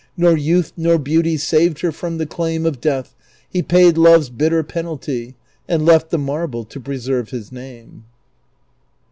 Nor youth nor beauty saved her from the claim Of death ; he paid love's bitter penalty, And left the marl)le to preserve his name.